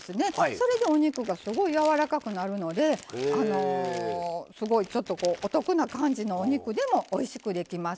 それで肉がすごいやわらかくなるのであのすごいちょっとこうお得な感じのお肉でもおいしくできます。